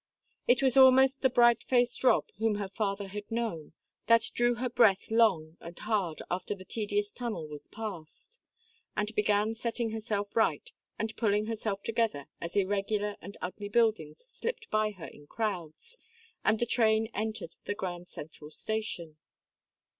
It was almost the bright faced Rob whom her father had known that drew her breath long and hard after the tedious tunnel was passed, and began setting herself right and pulling herself together as irregular and ugly buildings slipped by her in crowds, and the train entered the Grand Central Station.